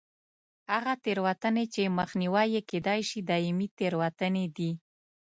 هغه تېروتنې چې مخنیوی یې کېدای شي دایمي تېروتنې دي.